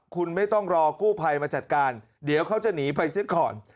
คุณไม่ต้องรอกู้ภัยมาจัดการเดี๋ยวเขาจะหนีไปเสียก่อน